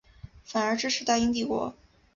反而支持大英帝国。